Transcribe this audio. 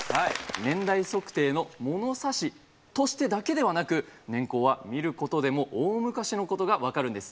年代測定のものさしとしてだけではなく年縞は見ることでも大昔のことが分かるんです。